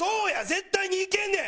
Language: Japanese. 絶対にいけんねん！